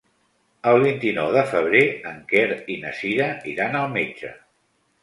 El vint-i-nou de febrer en Quer i na Cira iran al metge.